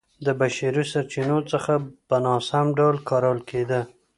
د بشري سرچینو څخه په ناسم ډول کارول کېده